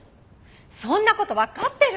そんな事わかってる！